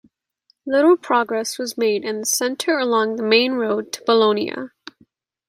Little progress was made in the centre along the main road to Bologna.